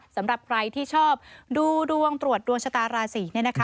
สำหรับใครที่ชอบดูดวงตรวจดวงชะตาราศีเนี่ยนะคะ